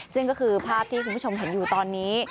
ซึ่งก็คือภาพที่คุณผู้ชมเห็นอยู่ตอนนี้